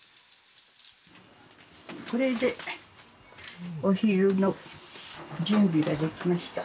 これでお昼の準備ができました。